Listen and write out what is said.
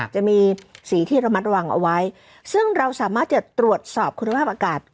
จะมีสีที่ระมัดระวังเอาไว้ซึ่งเราสามารถจะตรวจสอบคุณภาพอากาศ